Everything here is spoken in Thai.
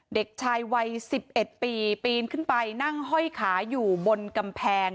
เด็กชายวัย๑๑ปีปีนขึ้นไปนั่งห้อยขาอยู่บนกำแพง